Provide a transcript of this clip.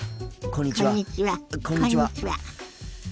こんにちは。